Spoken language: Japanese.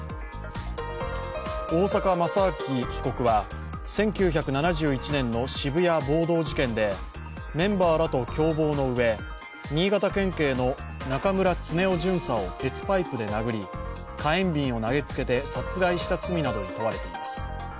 大坂正明被告は、１９７１年の渋谷暴動事件でメンバーらと共謀のうえ、新潟県警の中村恒雄巡査を鉄パイプで殴り、火炎瓶を投げつけて殺害した罪などに問われています。